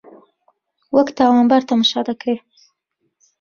وەک تاوانبار تەماشا دەکرێ